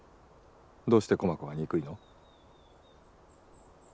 どうして駒子が憎いの？